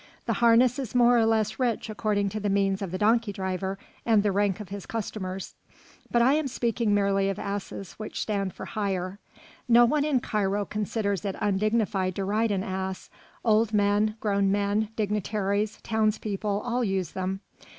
The harness is more or less rich according to the means of the donkey driver and the rank of his customers, but I am speaking merely of asses which stand for hire. No one in Cairo considers it undignified to ride an ass, old men, grown men, dignitaries, townspeople, all use them.